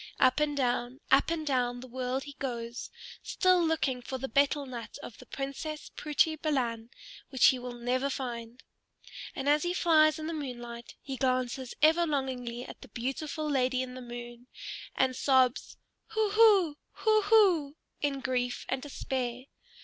Up and down, up and down the world he goes, still looking for the betel nut of the Princess Putri Balan, which he will never find. And as he flies in the moonlight he glances ever longingly at the beautiful lady in the moon, and sobs "Hoo hoo! Hoo hoo!" in grief and despair.